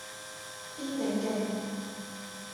天影徑